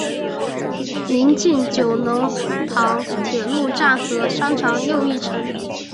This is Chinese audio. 邻近九龙塘铁路站和商场又一城。